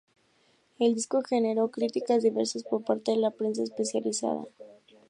El disco generó críticas diversas por parte de la prensa especializada.